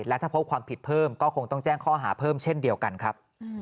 และถ้าพบความผิดเพิ่มก็คงต้องแจ้งข้อหาเพิ่มเช่นเดียวกันครับ